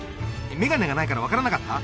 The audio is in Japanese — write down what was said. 眼鏡がないから分からなかった？